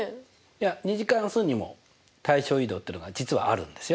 いや２次関数にも対称移動っていうのが実はあるんですよ。